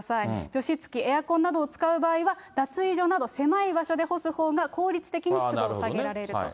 除湿器、エアコンなどを使う場合は脱衣所など、狭い場所で干すほうが効率的に湿度を下げられると。